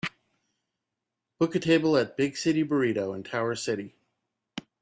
book a table at Big City Burrito in Tower City